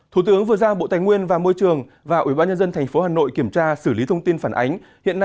thủ tướng vừa giao bộ tài nguyên và môi trường và ủy ban nhân dân tp hà nội kiểm tra xử lý thông tin phản ánh